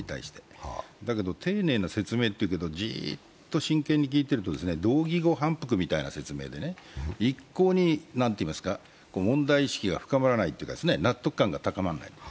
だけど丁寧な説明っていうのをじっと真剣に聞いていると同義語反復みたいな説明でね一向に問題意識が深まらないというか、納得感が高まらない。